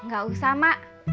gak usah mak